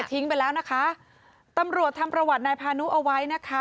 ทิ้งไปแล้วนะคะตำรวจทำประวัตินายพานุเอาไว้นะคะ